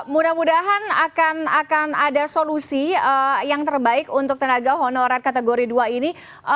mudah mudahan akan ada solusi yang terbaik untuk tenaga honorer kategori dua ini